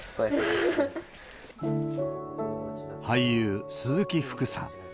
俳優、鈴木福さん。